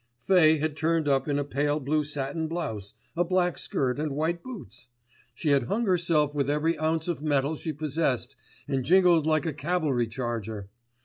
"Fay had turned up in a pale blue satin blouse, a black skirt and white boots. She had hung herself with every ounce of metal she possessed and jingled like a cavalry charger.